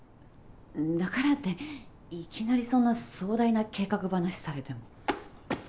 だからっていきなりそんな壮大な計画話されても。